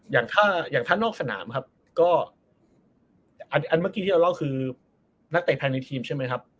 อย่างถ้าอย่างถ้านอกสนามครับก็อันเมื่อกี้ที่เราเล่าคือนักเตะภายในทีมใช่ไหมครับ